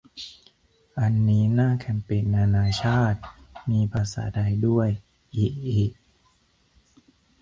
อันนี้หน้าแคมเปญนานาชาติ มีภาษาไทยด้วย อิอิ